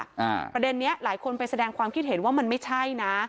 ประเด็นเนี้ยหลายคนไปแสดงความคิดเห็นว่ามันไม่ใช่นะ